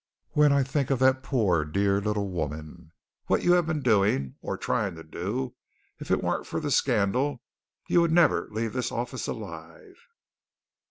When I think of that poor, dear little woman, and what you have been doing, or trying to do if it weren't for the scandal you would never leave this office alive."